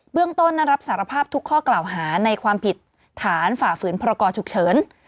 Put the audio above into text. เรื่องต้นนั้นรับสารภาพทุกข้อกล่าวหาในความผิดฐานฝ่าฝืนพรกรฉุกเฉิน